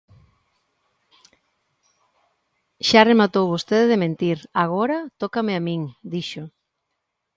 "Xa rematou vostede de mentir, agora tócame a min", dixo.